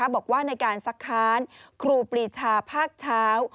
บอกว่าในการซักค้านครูปรีชาภาคเช้า